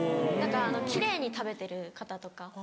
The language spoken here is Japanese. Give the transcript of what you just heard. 何か奇麗に食べてる方とか。